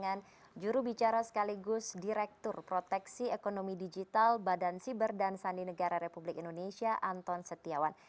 saya anton setiawan bersama dengan jurubicara sekaligus direktur proteksi ekonomi digital badan cyber dan sandi negara republik indonesia anton setiawan